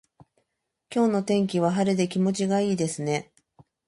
今日の天気は晴れで気持ちがいいですね。